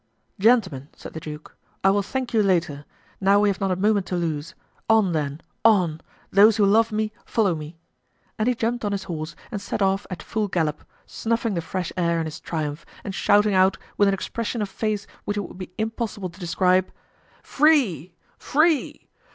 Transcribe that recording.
"Gentlemen," said the duke, "I will thank you later; now we have not a moment to lose. On, then! on! those who love me, follow me!" And he jumped on his horse and set off at full gallop, snuffing the fresh air in his triumph and shouting out, with an expression of face which it would be impossible to describe: "Free! free!